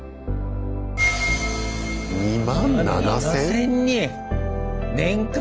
２万７，０００人⁉年間？